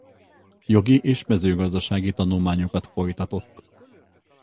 Jogi és mezőgazdasági tanulmányokat folytatott.